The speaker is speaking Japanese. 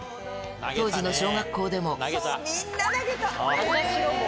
当時の小学校でも。